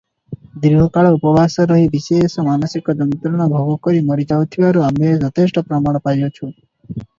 ଦୀର୍ଘକାଳ ଉପବାସ ରହି ବିଶେଷ ମାନସିକ ଯନ୍ତ୍ରଣା ଭୋଗକରି ମରିଯାଇଥିବାର ଆମ୍ଭେ ଯଥେଷ୍ଟ ପ୍ରମାଣ ପାଇଅଛୁ ।